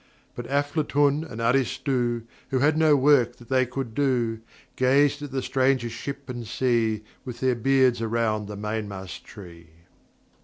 But Aflatun and Aristu, Who had no work that they could do, Gazed at the stranger Ship and Sea With their beards around the mainmast tree.